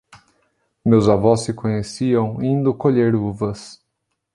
Meus avós se conheciam indo colher uvas.